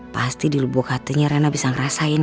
pasti dilubuk hatinya rena bisa ngerasain